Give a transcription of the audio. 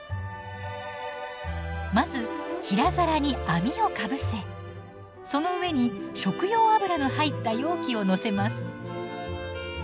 まず平皿に網をかぶせその上に食用油の入った容器をのせます。